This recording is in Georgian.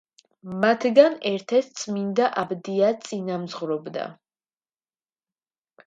მათგან ერთ-ერთს წმინდა აბდია წინამძღვრობდა.